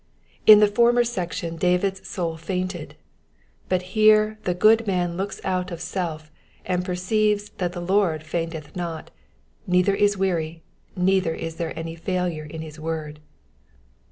In the former section David's soul fainted, but here the good man looks out of self and perceives that the Lord fainteth not, neither is weary, neither is there any failure in his word.